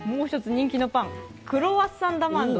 人気のパン、クロワッサンダマンド。